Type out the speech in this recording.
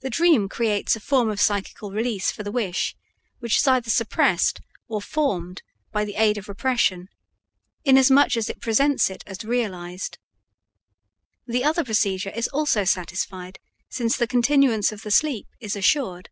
The dream creates a form of psychical release for the wish which is either suppressed or formed by the aid of repression, inasmuch as it presents it as realized. The other procedure is also satisfied, since the continuance of the sleep is assured.